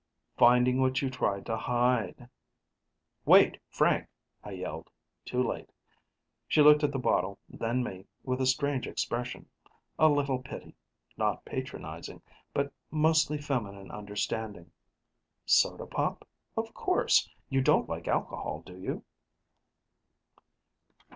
"Finding what you tried to hide " "Wait, Frank!" I yelled, too late. She looked at the bottle, then me, with a strange expression: a little pity not patronizing but mostly feminine understanding. "Soda pop? Of course. You don't like alcohol, do you?"